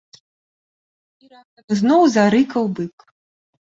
І раптам зноў зарыкаў бык.